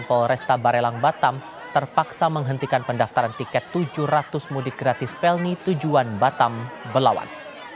polresta barelang batam terpaksa menghentikan pendaftaran tiket tujuh ratus mudik gratis pelni tujuan batam belawan